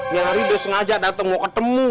ya hari dia sengaja dateng mau ketemu